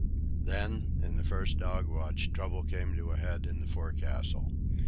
Then, in the first dog watch, trouble came to a head in the forecastle.